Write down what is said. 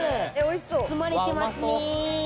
包まれてますね。